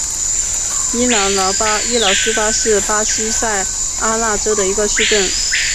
伊劳苏巴是巴西塞阿拉州的一个市镇。